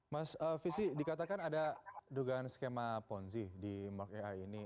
mas visi dikatakan ada dugaan skema ponzi di mark ai ini